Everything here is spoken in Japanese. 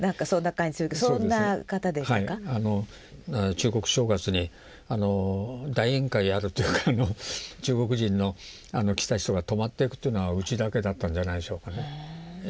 中国正月に大宴会やるというか中国人の来た人が泊まっていくというのはうちだけだったんじゃないでしょうかね。